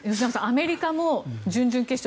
アメリカも準々決勝